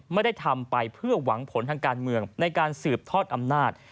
ไม่ได้ทำไปเพื่อหวังผลทางการเมืองในการสืบทอดอำนาจ